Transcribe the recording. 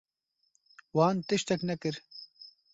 Wan tiştek nekir.